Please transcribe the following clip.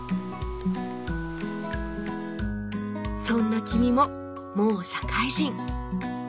そんな君ももう社会人。